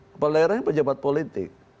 kepala daerahnya pejabat politik